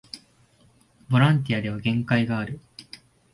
ボランティアでは限界がある